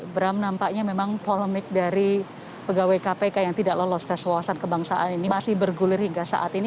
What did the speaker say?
bram nampaknya memang polemik dari pegawai kpk yang tidak lolos tes wawasan kebangsaan ini masih bergulir hingga saat ini